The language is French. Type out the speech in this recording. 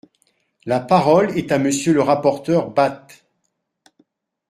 La parole est à Monsieur le rapporteur Bapt.